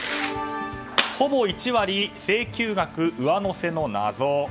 ほぼ１割、請求額上乗せの謎。